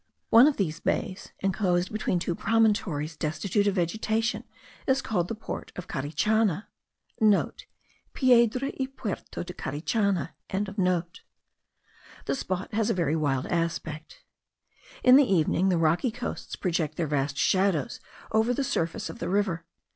One of these bays, inclosed between two promontories destitute of vegetation, is called the Port of Carichana.* (* Piedra y puerto de Carichana.) The spot has a very wild aspect. In the evening the rocky coasts project their vast shadows over the surface of the river.